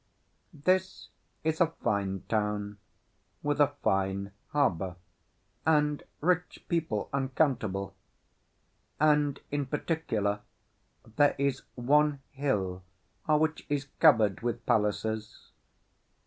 This is a fine town, with a fine harbour, and rich people uncountable; and, in particular, there is one hill which is covered with palaces.